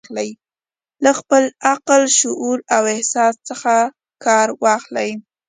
له خپل عقل، شعور او احساس څخه دې کار واخلي.